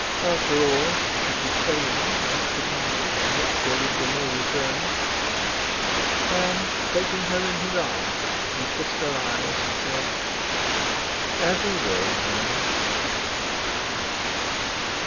After all, it would be training for that departure from which there would be no return. And, taking her in his arms, he kissed her eyes, and said: "As you will, my love."